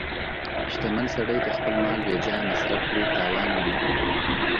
• شتمن سړی که خپل مال بې ځایه مصرف کړي، تاوان ویني.